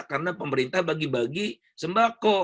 karena pemerintah bagi bagi sembako